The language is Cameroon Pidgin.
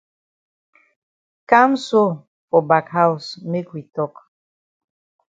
Kam so for back haus make we tok.